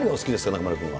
中丸君は。